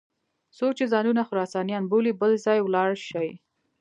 څوک چې ځانونه خراسانیان بولي بل ځای ولاړ شي.